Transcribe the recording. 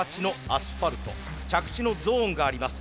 着地のゾーンがあります。